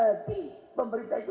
jadi pemerintah itu